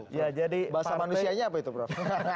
bahasa manusianya apa itu prof